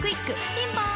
ピンポーン